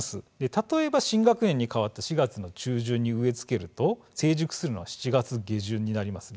例えば新学年に変わった４月の中旬に植え付けると成熟するのは７月下旬になります。